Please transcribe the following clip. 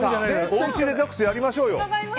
おうちデトックスやりましょうよ！